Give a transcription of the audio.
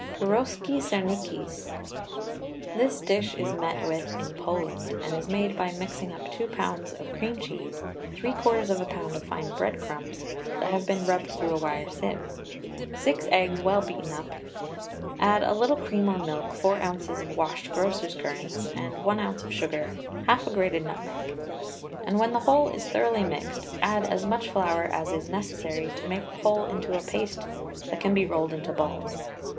PIROSKI SERNIKIS. This dish is met with in Poland, and is made by mixing up two pounds of cream cheese, three quarters of a pound of fine bread crumbs that have been rubbed through a wire sieve, six eggs well beaten up; add a little cream or milk, four ounces of washed grocer's currants, one ounce of sugar, half a grated nutmeg; and when the whole is thoroughly mixed add as much flour as is necessary to make the whole into a paste that can be rolled into balls.